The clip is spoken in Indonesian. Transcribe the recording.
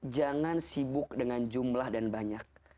jangan sibuk dengan jumlah dan banyak